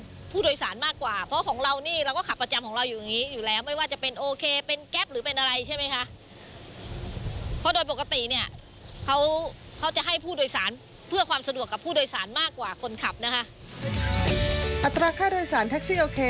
อัตราค่าโดยสารแท็กซี่โอเค